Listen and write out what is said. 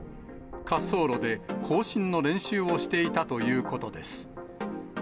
滑走路で行進の練習をしていたということです。